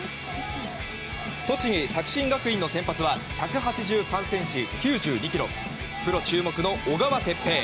栃木・作新学院の先発は１８３ｃｍ、９２ｋｇプロ注目の小川哲平。